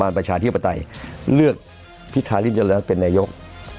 เรียกพิธาริมเจราะห์เป็นนายก